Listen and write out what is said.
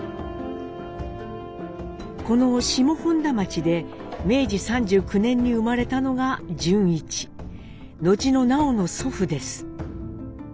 この下本多町で明治３９年に生まれたのが潤一後の南朋の祖父です。